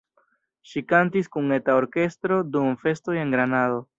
Ŝi kantis kun eta orkestro dum festoj en Granado.